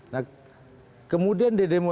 nah kemudian di demo